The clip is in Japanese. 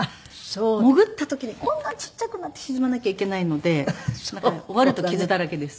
潜った時にこんなちっちゃくなって沈まなきゃいけないので終わると傷だらけです。